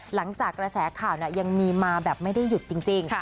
หลังจากกระแสข่าวยังมีมาแบบไม่ได้หยุดจริง